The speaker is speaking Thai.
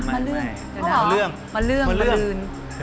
มะเรื่องมะเรื่องมะเรื่อง